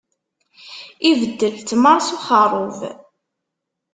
Ibeddel ttmeṛ s uxerrub.